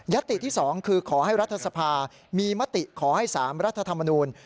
ติที่๒คือขอให้รัฐสภามีมติขอให้๓รัฐธรรมนูล